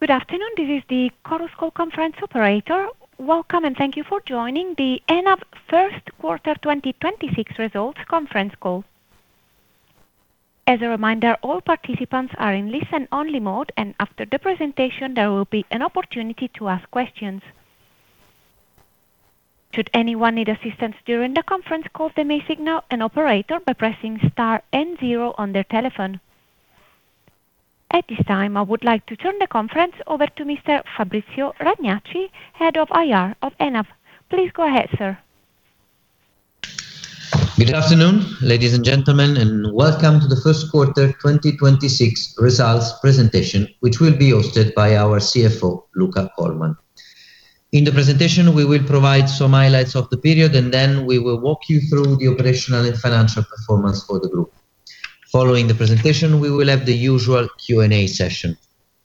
Good afternoon. This is the Chorus Call conference operator. Welcome, and thank you for joining the ENAV first quarter 2026 results conference call. As a reminder, all participants are in listen-only mode, and after the presentation, there will be an opportunity to ask questions. Should anyone need assistance during the conference call, they may signal an operator by pressing star and zero on their telephone. At this time, I would like to turn the conference over to Mr. Fabrizio Ragnacci, Head of IR of ENAV. Please go ahead, sir. Good afternoon, ladies and gentlemen, welcome to the first quarter 2026 results presentation, which will be hosted by our CFO, Luca Colman. In the presentation, we will provide some highlights of the period. Then we will walk you through the operational and financial performance for the group. Following the presentation, we will have the usual Q&A session.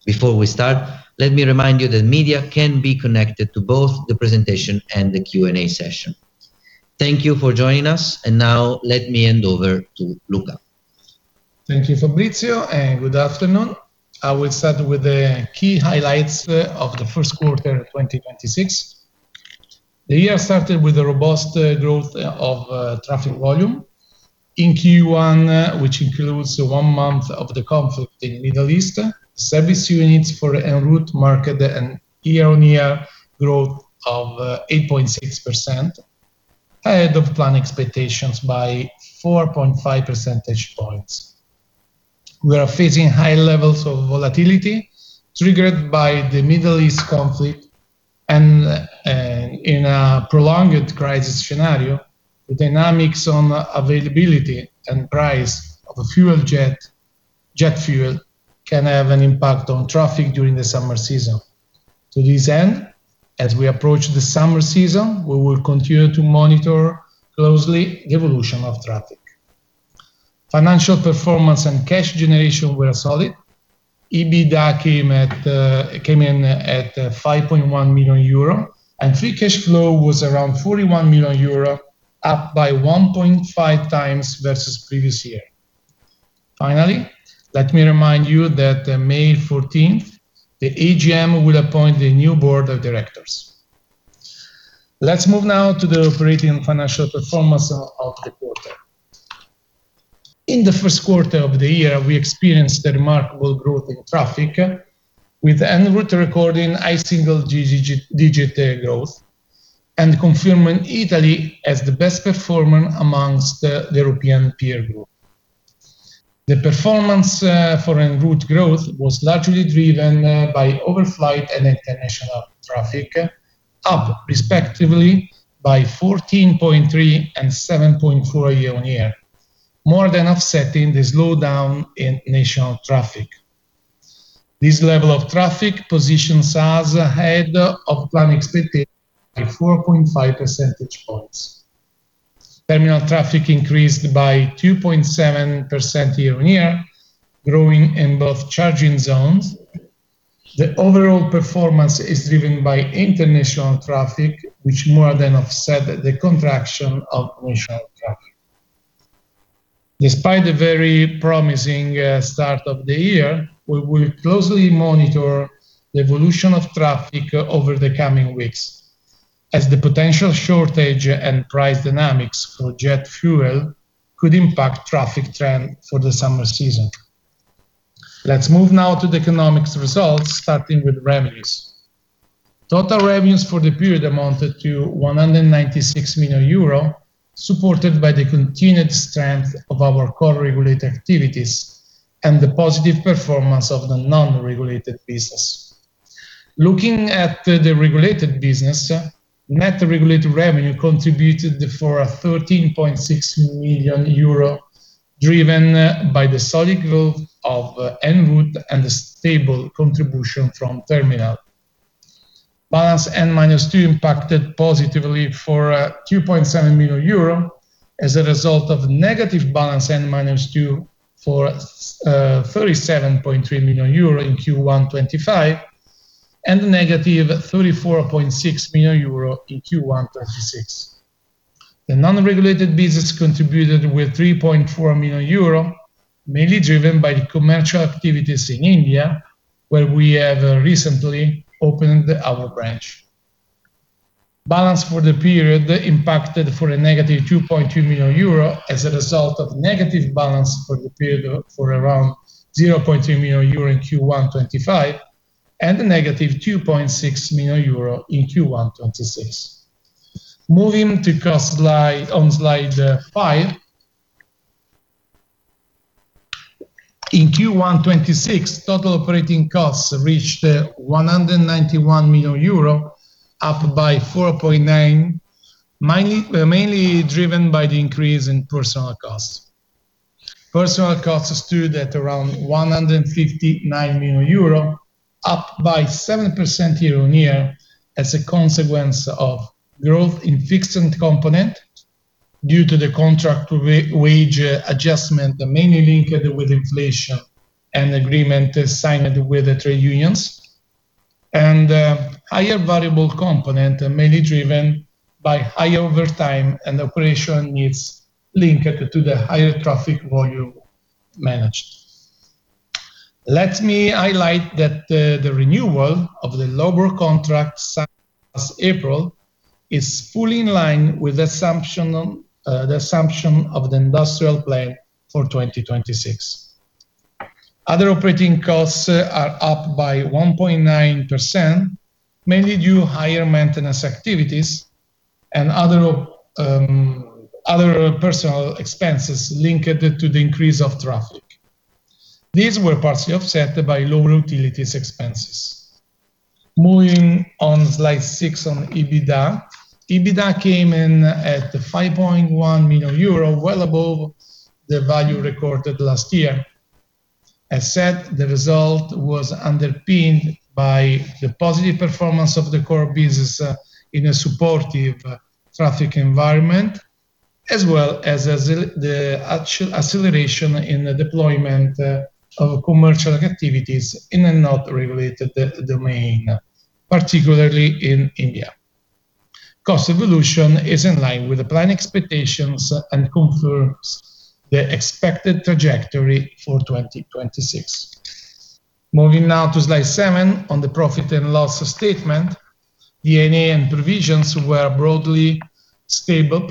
Before we start, let me remind you that media can be connected to both the presentation and the Q&A session. Thank you for joining us. Now let me hand over to Luca. Thank you, Fabrizio, and good afternoon. I will start with the key highlights of the first quarter 2026. The year started with a robust growth of traffic volume. In Q1, which includes one month of the conflict in Middle East, service units for en-route market and year-on-year growth of 8.6%, ahead of plan expectations by 4.5 percentage points. We are facing high levels of volatility triggered by the Middle East conflict, and in a prolonged crisis scenario, the dynamics on availability and price of jet fuel can have an impact on traffic during the summer season. To this end, as we approach the summer season, we will continue to monitor closely the evolution of traffic. Financial performance and cash generation were solid. EBITDA came at, came in at 5.1 million euro, and free cash flow was around 41 million euro, up by 1.5x versus previous year. Finally, let me remind you that May 14th, 2026 the AGM will appoint the new board of directors. Let's move now to the operating financial performance of the quarter. In the first quarter of the year, we experienced a remarkable growth in traffic with en-route recording high single digit growth and confirming Italy as the best performer amongst the European peer group. The performance for en-route growth was largely driven by overflight and international traffic, up respectively by 14.3% and 7.4% year-on-year, more than offsetting the slowdown in national traffic. This level of traffic positions us ahead of plan expectations by 4.5 percentage points. Terminal traffic increased by 2.7% year-on-year, growing in both charging zones. The overall performance is driven by international traffic, which more than offset the contraction of national traffic. Despite the very promising start of the year, we will closely monitor the evolution of traffic over the coming weeks, as the potential shortage and price dynamics for jet fuel could impact traffic trend for the summer season. Let's move now to the economics results, starting with revenues. Total revenues for the period amounted to 196 million euro, supported by the continued strength of our core regulated activities and the positive performance of the non-regulated business. Looking at the regulated business, net regulated revenue contributed for 13.6 million euro, driven by the solid growth of en-route and the stable contribution from terminal. Balance N-2 impacted positively for EUR 2.7 million as a result of negative Balance N-2 for EUR 37.3 million in Q1 2025, and negative 34.6 million euro in Q1 2026. The non-regulated business contributed with 3.4 million euro, mainly driven by commercial activities in India, where we have recently opened our branch. Balance for the period impacted for a negative 2.2 million euro as a result of negative balance for the period for around 0.2 million euro in Q1 2025, and a negative 2.6 million euro in Q1 2026. Moving to cost slide, on slide five. In Q1 2026, total operating costs reached 191 million euro, up by 4.9%, mainly driven by the increase in personnel costs. Personnel costs stood at around 159 million euro, up by 7% year-on-year as a consequence of growth in fixed component due to the contract wage adjustment, mainly linked with inflation and agreement signed with the trade unions. Higher variable component, mainly driven by high overtime and operation needs linked to the higher traffic volume managed. Let me highlight that the renewal of the labor contract signed last April is fully in line with the assumption, the assumption of the Industrial Plan for 2026. Other operating costs are up by 1.9%, mainly due higher maintenance activities and other personal expenses linked to the increase of traffic. These were partially offset by lower utilities expenses. Moving on Slide six on EBITDA. EBITDA came in at 5.1 million euro, well above the value recorded last year. As said, the result was underpinned by the positive performance of the core business in a supportive traffic environment, as well as the acceleration in the deployment of commercial activities in a non-regulated domain, particularly in India. Cost evolution is in line with the plan expectations and confirms the expected trajectory for 2026. Moving now to slide seven on the profit and loss statement. D&A and provisions were broadly stable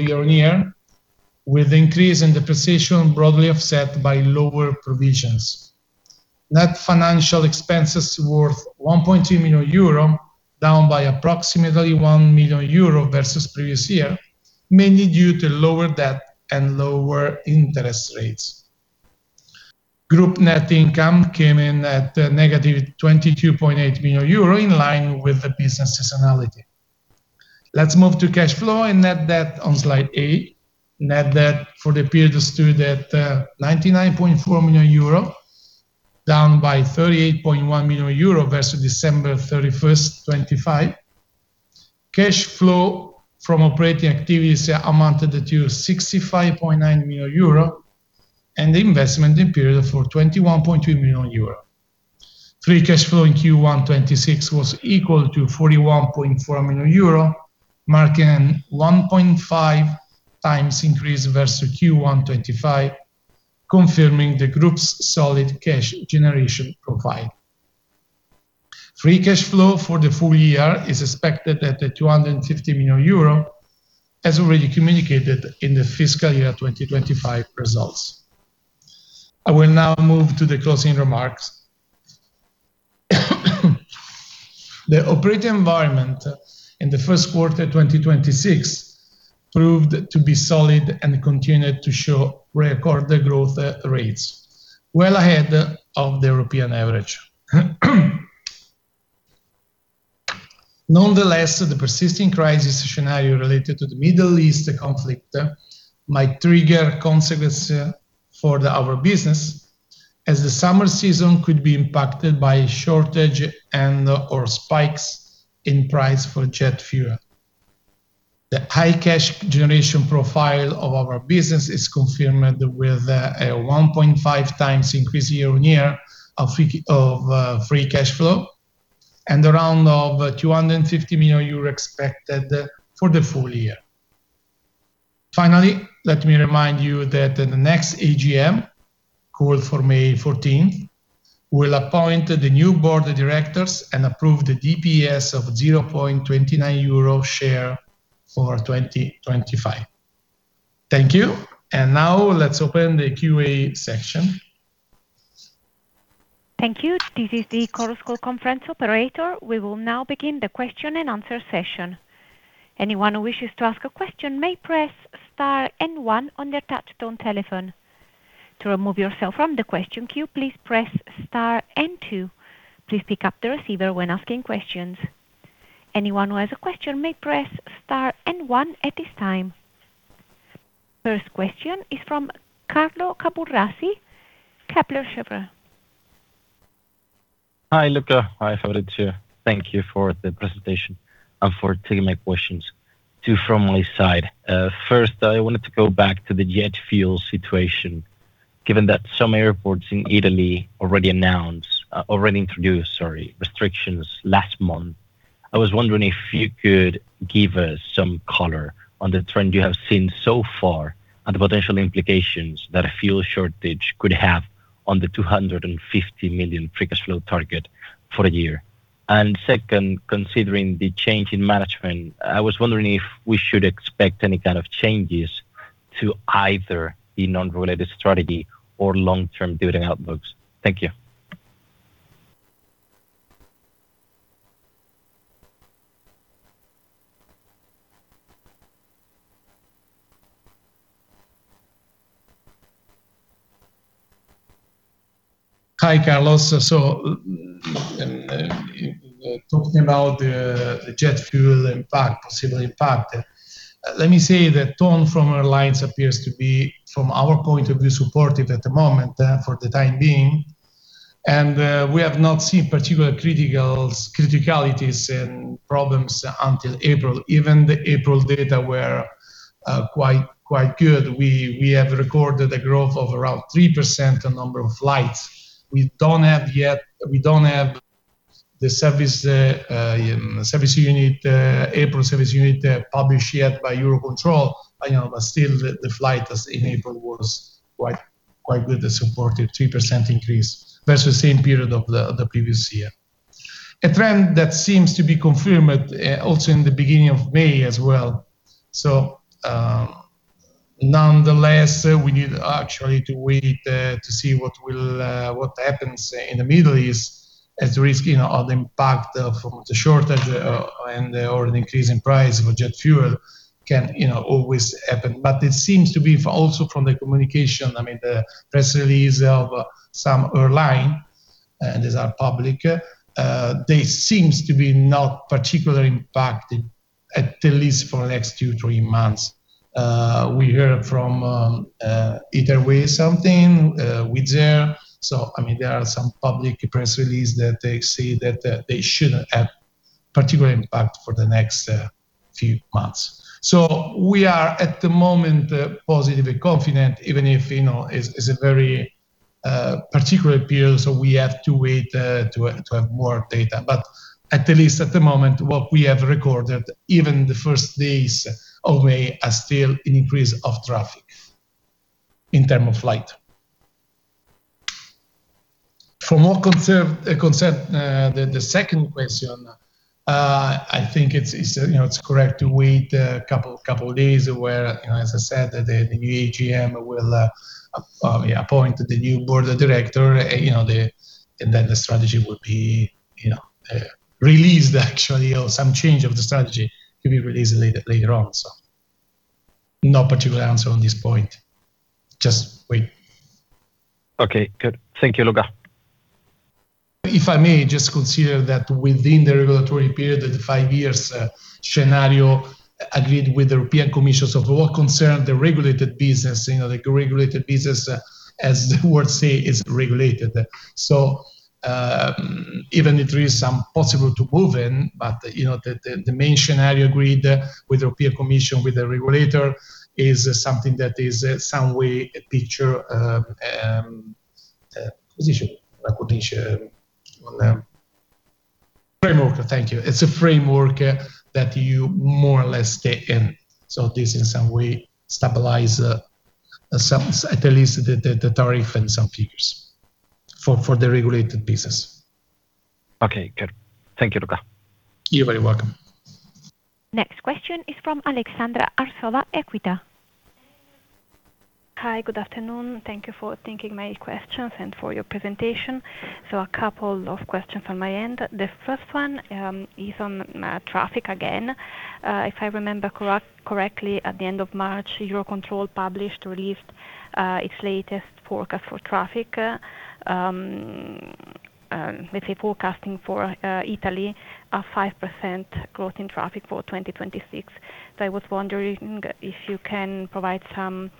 year-on-year, with increase in depreciation broadly offset by lower provisions. Net financial expenses worth 1.2 million euro, down by approximately 1 million euro versus previous year, mainly due to lower debt and lower interest rates. Group net income came in at negative 22.8 million euro, in line with the business seasonality. Let's move to cash flow and net debt on slide eight. Net debt for the period stood at 99.4 million euro, down by 38.1 million euro versus December 31st, 2025. Cash flow from operating activities amounted to 65.9 million euro, and the investment in period for 21.2 million euro. Free cash flow in Q1 2026 was equal to 41.4 million euro, marking 1.5x increase versus Q1 2025, confirming the group's solid cash generation profile. Free cash flow for the full year is expected at 250 million euro, as already communicated in the fiscal year 2025 results. I will now move to the closing remarks. The operating environment in the first quarter 2026 proved to be solid and continued to show record growth rates, well ahead of the European average. Nonetheless, the persisting crisis scenario related to the Middle East conflict might trigger consequences for the our business, as the summer season could be impacted by shortage and/or spikes in price for jet fuel. The high cash generation profile of our business is confirmed with a 1.5x increase year on year of free cash flow and around of 250 million euro expected for the full year. Finally, let me remind you that the next AGM, called for May 14th, 2026 will appoint the new Board of Directors and approve the DPS of 0.29 euro share for 2025. Thank you. Now let's open the Q&A section. Thank you. This is the chorus call conference operator. We will now begin the question and answer session. Anyone who wishes to ask a question may press star and one on their touchtone telephone. To remove yourself from the question queue, please press star and two. Please pick up the receiver when asking questions. Anyone who has a question may press star and one at this time. First question is from Carlos Caburrasi, Kepler Cheuvreux. Hi Luca Hi Fabrizio thank you for the presentation and for taking my questions. 2 from my side. First, I wanted to go back to the jet fuel situation. Given that some airports in Italy already announced, already introduced, sorry, restrictions last month, I was wondering if you could give us some color on the trend you have seen so far and the potential implications that a fuel shortage could have on the 250 million free cash flow target for the year. Second, considering the change in management, I was wondering if we should expect any kind of changes to either the non-regulated strategy or long-term dividend outlooks. Thank you. Hi Carlos talking about the jet fuel impact, possible impact, let me say the tone from our lines appears to be, from our point of view, supportive at the moment, for the time being. We have not seen particular criticals, criticalities and problems until April. Even the April data quite good. We have recorded a growth of around 3% the number of flights. We don't have the service unit, April service unit, published yet by Eurocontrol. You know, still, the flight as in April was quite good. It supported 3% increase versus same period of the previous year. A trend that seems to be confirmed also in the beginning of May as well. Nonetheless, we need actually to wait to see what will what happens in the Middle East as risk, you know, of impact from the shortage and, or an increase in price of jet fuel can, you know, always happen. It seems to be for also from the communication, I mean, the press releases of some airline, these are public, they seems to be not particularly impacted, at least for next two, three months. We heard from either way something Wizz Air. I mean, there are some public press release that they say that they shouldn't have particular impact for the next few months. We are, at the moment, positive and confident, even if, you know, it's a very particular period, so we have to wait to have more data. At least at the moment, what we have recorded, even the first days of May are still an increase of traffic in term of flight. For more concern, the second question, I think it's, you know, it's correct to wait a couple of days where, you know, as I said, the new AGM will appoint the new board of director. Then the strategy will be, you know, released actually, or some change of the strategy to be released later on. No particular answer on this point. Just wait. Okay, good. Thank you, Luca. If I may just consider that within the regulatory period of five years, scenario agreed with the European Commission. For what concern the regulated business, you know, the regulated business, as the word say, is regulated. Even if there is some possible to move in, but, you know, the main scenario agreed with European Commission, with the regulator is something that is some way a picture, a position framework. Thank you. It's a framework that you more or less stay in. This, in some way, stabilize some, at least the tariff and some figures for the regulated business. Okay, good. Thank you, Luca. You're very welcome. Next question is from Aleksandra Arsova, Equita. Hi, good afternoon. Thank you for taking my questions and for your presentation. A couple of questions on my end. The first one is on traffic again. If I remember correctly, at the end of March, Eurocontrol published, released its latest forecast for traffic, let's say forecasting for Italy, a 5% growth in traffic for 2026. I was wondering if you can provide some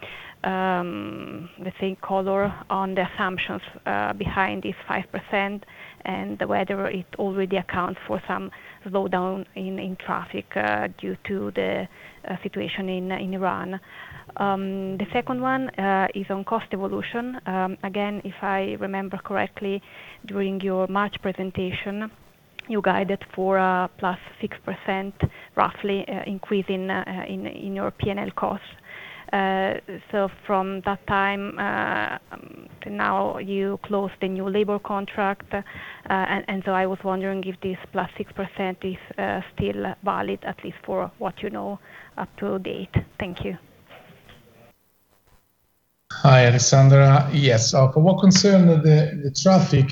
color on the assumptions behind this 5% and whether it already accounts for some slowdown in traffic due to the situation in Iran. The second one is on cost evolution. Again, if I remember correctly, during your March presentation, you guided for a plus 6% roughly increase in your P&L costs. From that time, till now, you closed the new labor contract, I was wondering if this +6% is still valid, at least for what you know up to date. Thank you. Hi, Aleksandra. Yes. For what concern the traffic,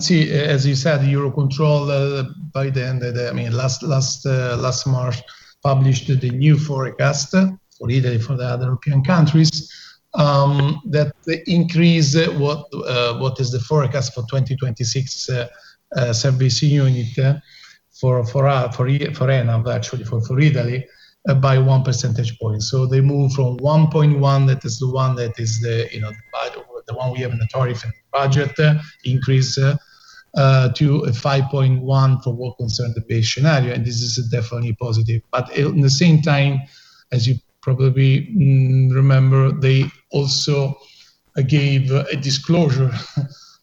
see, as you said, Eurocontrol, by the end of the, I mean, last March, published the new forecast for Italy, for the other European countries, that increase what is the forecast for 2026 service unit for ENAV, actually for Italy by 1 percentage point. They move from 1.1, that is the one that is the, you know, by the one we have in the tariff and budget increase, to a 5.1 for what concern the base scenario, and this is definitely positive. It, in the same time, as you probably remember, they also gave a disclosure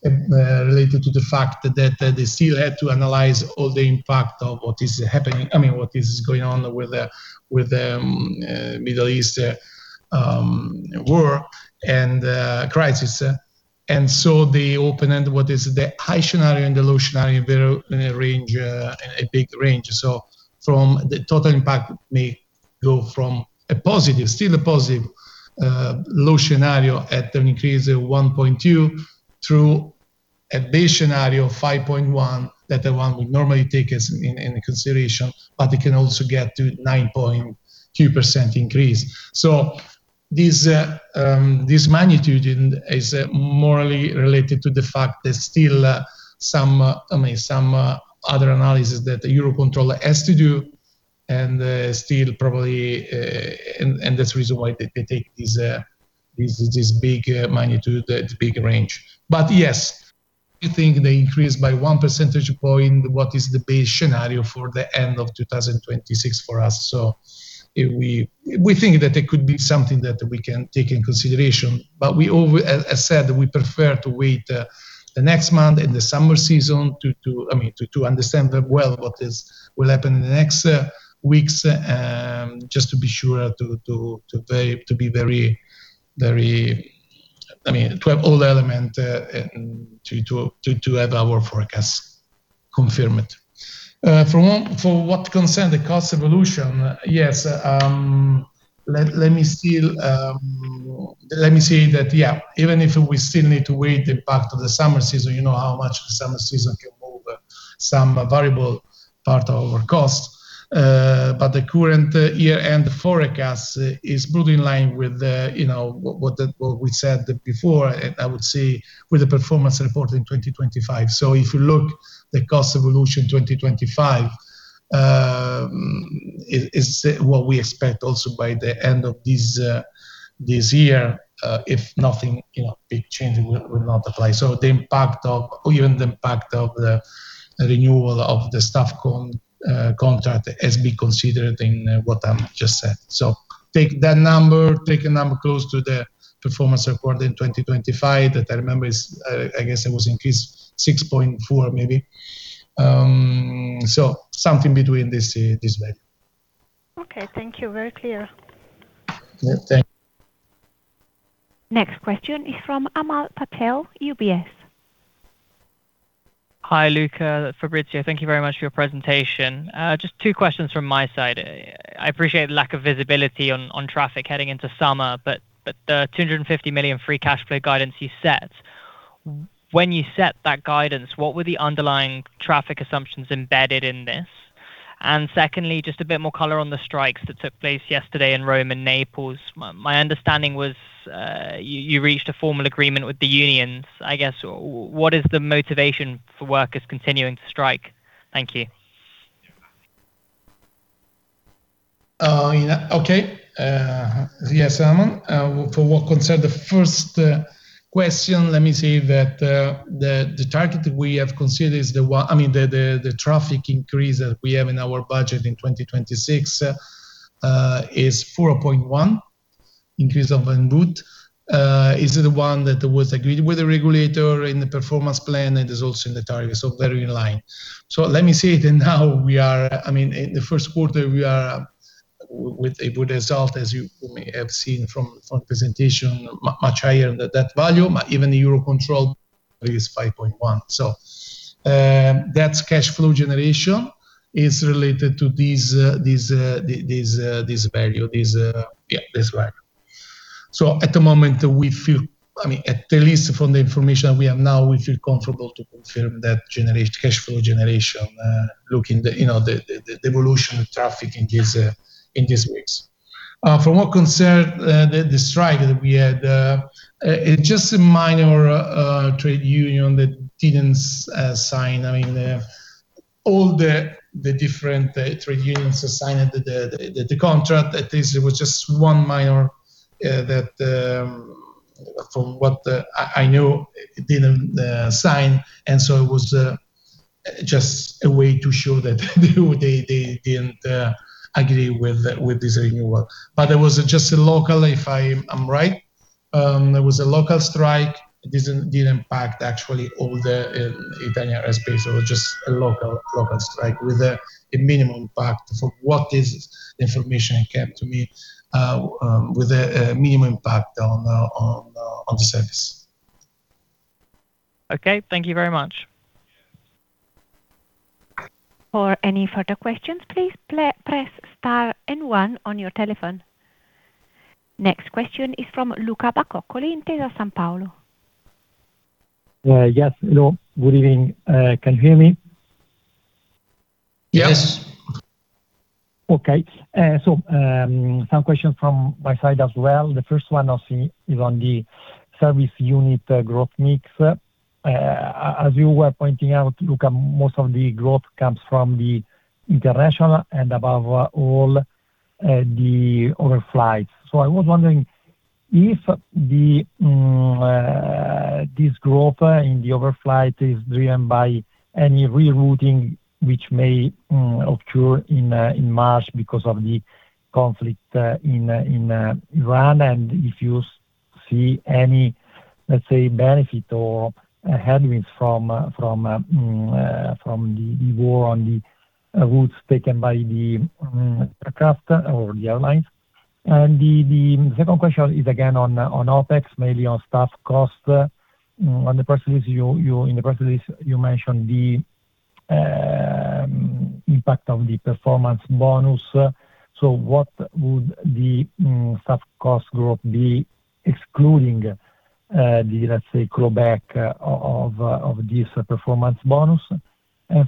related to the fact that they still had to analyze all the impact of what is happening, I mean, what is going on with the Middle East war and crisis. The open-ended, what is the high scenario and the low scenario, they're in a range in a big range. From the total impact may go from a positive, still a positive low scenario at an increase of 1.2%, through a base scenario of 5.1%, that the one we normally take as in consideration, but it can also get to 9.2% increase. This magnitude is more related to the fact there's still some, I mean, some other analysis that Eurocontrol has to do, and still probably. That's the reason why they take this big magnitude, big range. Yes, I think they increased by 1 percentage point what is the base scenario for the end of 2026 for us. We think that it could be something that we can take in consideration. We as said, we prefer to wait the next month in the summer season to, I mean, to understand well what will happen in the next weeks, just to be sure to be very, I mean, to have all the element to have our forecast confirmed. For one, for what concern the cost evolution, yes, let me still say that, yeah, even if we still need to wait the impact of the summer season, you know how much the summer season can move some variable part of our cost. The current year-end forecast is built in line with the, you know, what we said before, I would say, with the Performance Plan in 2025. If you look the cost evolution 2025, it is what we expect also by the end of this year, if nothing, you know, big change will not apply. The impact of, even the impact of the renewal of the staff contract has been considered in what I'm just said. Take that number, take a number close to the performance report in 2025 that I remember is, I guess it was increased 6.4% maybe. Something between this value. Okay. Thank you. Very clear. Yeah. Next question is from Amal Patel, UBS. Hi, Luca, Fabrizio. Thank you very much for your presentation. Just two questions from my side. I appreciate the lack of visibility on traffic heading into summer, but the 250 million free cash flow guidance you set, when you set that guidance, what were the underlying traffic assumptions embedded in this? Secondly, just a bit more color on the strikes that took place yesterday in Rome and Naples. My understanding was you reached a formal agreement with the unions. I guess, what is the motivation for workers continuing to strike? Thank you. Yes, Amal. For what concern the first question, let me say that the target we have considered is, I mean, the traffic increase that we have in our budget in 2026, is 4.1 increase of en-route. Is the one that was agreed with the regulator in the Performance Plan, and is also in the target, very in line. Let me say it, and now we are, I mean, in the first quarter, we are with a good result, as you may have seen from presentation, much higher than that value. Even the Eurocontrol is 5.1. That cash flow generation is related to these, this value. At the moment we feel, I mean, at least from the information we have now, we feel comfortable to confirm that cash flow generation, looking the, you know, the evolution of traffic in these weeks. For what concern the strike that we had, it just a minor trade union that didn't sign. I mean, all the different trade unions signed the contract. At least it was just one minor that, from what I knew didn't sign, it was just a way to show that they didn't agree with this renewal. It was just a local, if I am right, it was a local strike. It didn't impact actually all the Italian airspace. It was just a local strike with a minimum impact for what is the information came to me, with a minimum impact on the service. Okay. Thank you very much. For any further questions, please press star and one on your telephone. Next question is from Luca Bacoccoli, Intesa Sanpaolo. Yes. Hello. Good evening. Can you hear me? Yes. Okay. Some questions from my side as well. The first one is on the service unit growth mix. As you were pointing out, Luca, most of the growth comes from the international and above all, the overflights. I was wondering if this growth in the overflight is driven by any rerouting which may occur in March because of the conflict in Iran, and if you see any, let's say, benefit or headwinds from the war on the routes taken by the aircraft or the airlines. The second question is again on OpEx, mainly on staff cost. In the press release you mentioned the impact of the performance bonus. What would the staff cost growth be excluding the, let's say, clawback of this performance bonus?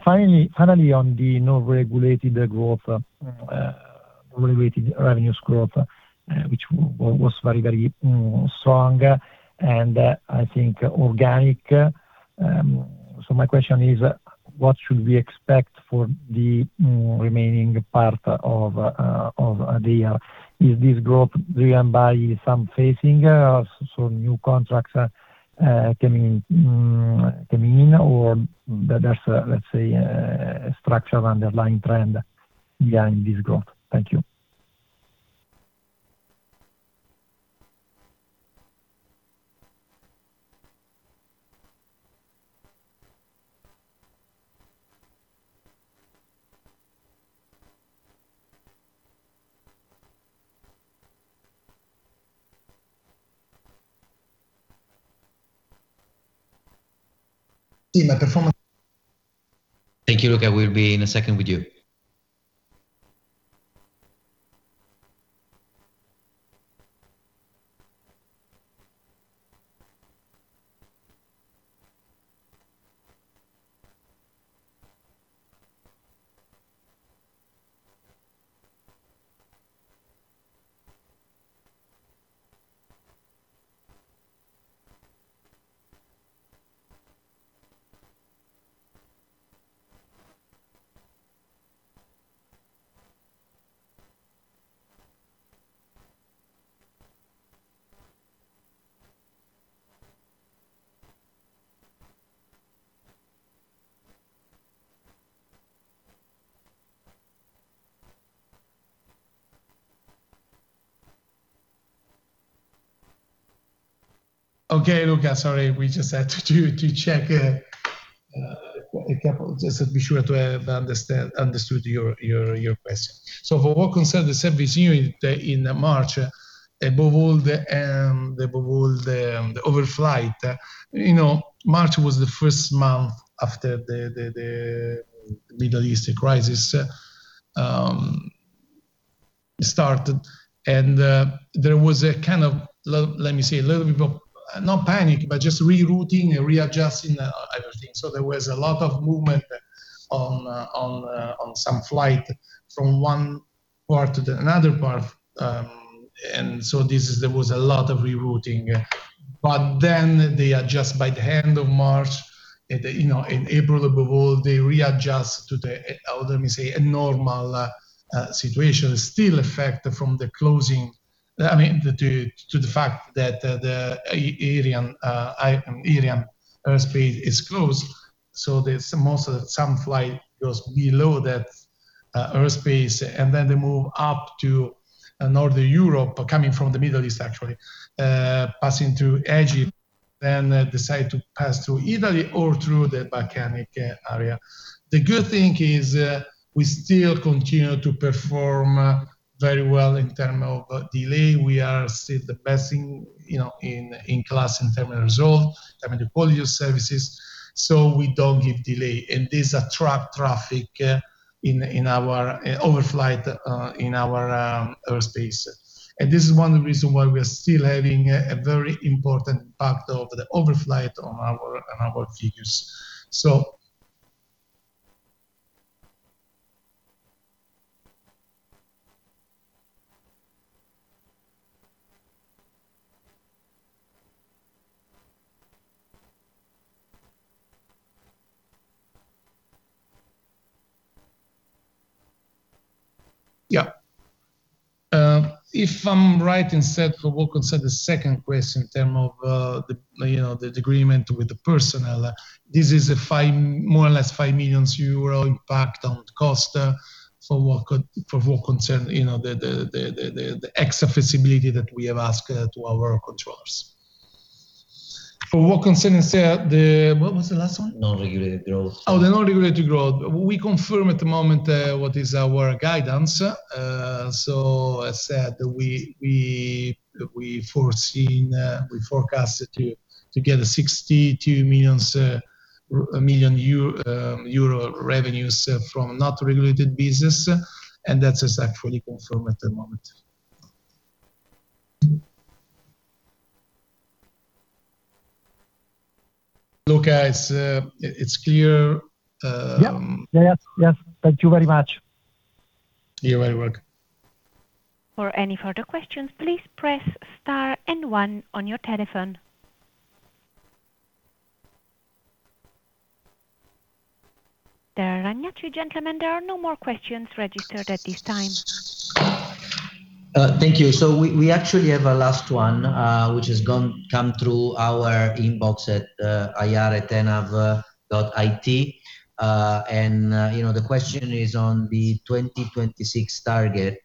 Finally, on the non-regulated growth, non-regulated revenues growth, which was very strong, and I think organic. My question is, what should we expect for the remaining part of the year? Is this growth driven by some phasing, so new contracts are coming in, or there's a, let's say, a structural underlying trend behind this growth? Thank you. See my performa- Thank you, Luca. We'll be in a second with you. Okay, Luca, sorry. We just had to check a couple Just to be sure to have understood your question. For what concern the service unit in March, above all the, above all the overflight, you know, March was the first month after the, the Middle East crisis started. There was a kind of let me say, a little bit of not panic, but just rerouting and readjusting everything. There was a lot of movement on some flight from one part to another part. There was a lot of rerouting. They adjust by the end of March. You know, in April above all, they readjust to the or let me say, a normal situation. Still affect from the closing. I mean, the fact that the Iranian airspace is closed, so there's most of some flight goes below that airspace, and then they move up to Northern Europe coming from the Middle East, actually, passing through Egypt, then decide to pass through Italy or through the Balkan area. The good thing is, we still continue to perform very well in term of delay. We are still the best in, you know, in class in term of result, I mean, the quality of services. We don't give delay. This attract traffic in our overflight in our airspace. This is one reason why we are still having a very important part of the overflight on our figures. Yeah. If I'm right, instead for what concern the second question in terms of, you know, the agreement with the personnel, this is a 5 million euro impact on cost for what concern, you know, the extra flexibility that we have asked to our controllers. For what concern instead, what was the last one? Non-regulated growth. The non-regulated growth. We confirm at the moment what is our guidance. As said, we foreseen, we forecast to get EUR 62 million revenues from non-regulated business, and that is actually confirmed at the moment. Luca, it's clear. Yeah. Yeah. Yes, yes. Thank you very much. You're very welcome. For any further questions, please press star and one on your telephone. There are none yet, gentlemen. There are no more questions registered at this time. Thank you. We actually have a last one, which has come through our inbox at ir@enav.it. You know, the question is on the 2026 target.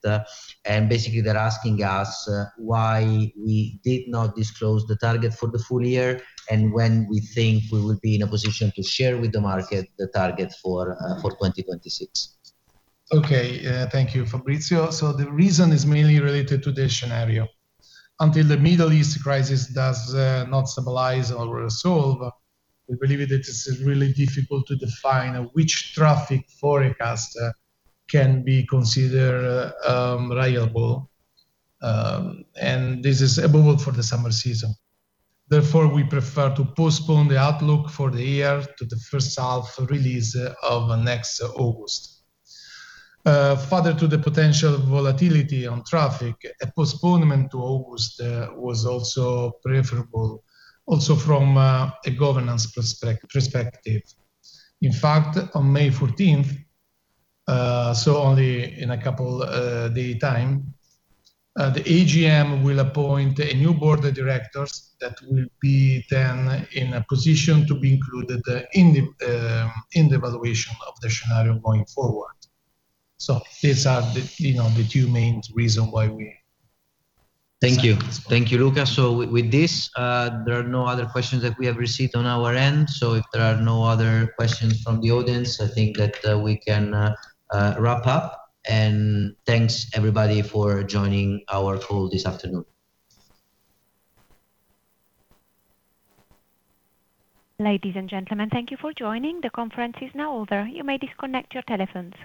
Basically, they're asking us why we did not disclose the target for the full year, and when we think we will be in a position to share with the market the target for 2026. Okay. Thank you, Fabrizio. The reason is mainly related to the scenario. Until the Middle East crisis does not stabilize or resolve, we believe it is really difficult to define which traffic forecast can be considered reliable. This is above all for the summer season. We prefer to postpone the outlook for the year to the first half release of next August. Further to the potential volatility on traffic, a postponement to August was also preferable also from a governance perspective. On May 14th, 2026 only in a two day time, the AGM will appoint a new board of directors that will be then in a position to be included in the evaluation of the scenario going forward. These are the, you know, the two main reason why. Thank you. Thank you, Luca. With this, there are no other questions that we have received on our end. If there are no other questions from the audience, I think that we can wrap up. Thanks everybody for joining our call this afternoon. Ladies and gentlemen, thank you for joining. The conference is now over. You may disconnect your telephones.